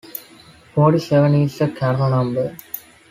Forty-seven is a Carol number.